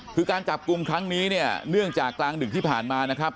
คือการจับกลุ่มครั้งนี้เนี่ยเนื่องจากกลางดึกที่ผ่านมานะครับ